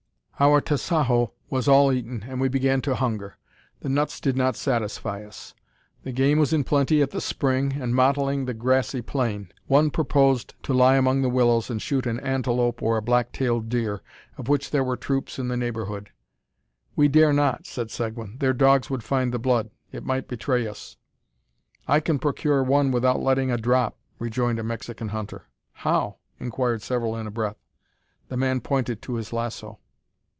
Our tasajo was all eaten, and we began to hunger. The nuts did not satisfy us. The game was in plenty at the spring, and mottling the grassy plain. One proposed to lie among the willows and shoot an antelope or a black tailed deer, of which there were troops in the neighbourhood. "We dare not," said Seguin; "their dogs would find the blood. It might betray us." "I can procure one without letting a drop," rejoined a Mexican hunter. "How?" inquired several in a breath. The man pointed to his lasso.